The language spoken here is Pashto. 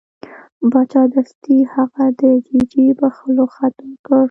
باچا دستي هغه د ججې بخښلو خط ورکړ.